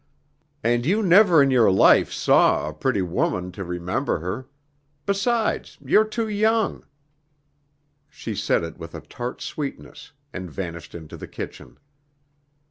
"And you never in your life saw a pretty woman to remember her. Besides, you're too young." She said it with a tart sweetness and vanished into the kitchen.